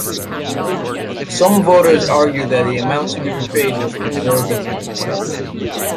Some voters argued that the amount to be repaid was exorbitant.